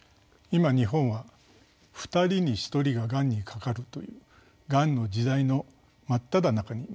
今日本は２人に１人ががんにかかるという「がんの時代」の真っただ中にいます。